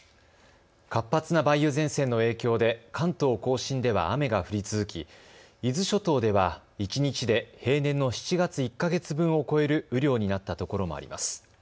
活発な梅雨前線の影響で関東甲信では雨が降り続き伊豆諸島では一日で平年の７月１か月分を超える雨量になったところもあります。